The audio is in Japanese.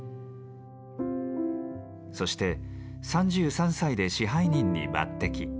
そして３３歳で支配人に抜てき。